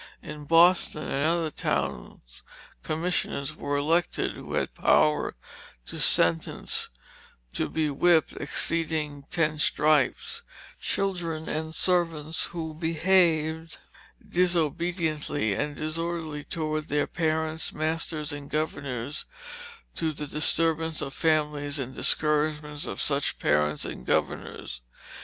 In Boston and other towns commissioners were elected who had power to sentence to be whipped, exceeding ten stripes, children and servants who behaved "disobediently and disorderly toward their parents, masters, and governours, to the disturbance of families and discouragement of such parents and governours."